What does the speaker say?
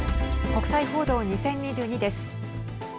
国際報道２０２２です。